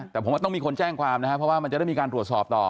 แต่ผมว่าต้องมีคนแจ้งความนะครับเพราะว่ามันจะได้มีการตรวจสอบต่อ